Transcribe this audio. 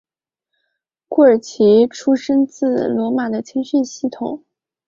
库尔奇出身自罗马的青训系统。